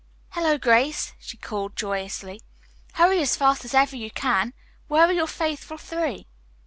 "Hello, Grace," she called joyously. "Hurry as fast as ever you can. Where are your faithful three?"